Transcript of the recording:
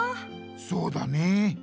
そうだねえ。